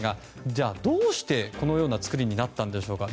じゃあ、どうしてこのような造りになったんでしょうか。